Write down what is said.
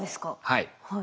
はい。